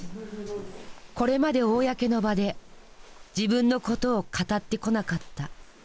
これまで公の場で自分のことを語ってこなかった。